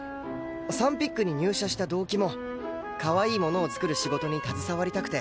サンピックに入社した動機もかわいいものを作る仕事に携わりたくて。